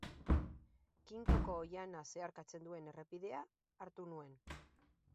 Kintoko oihana zeharkatzen duen errepidea hartu nuen.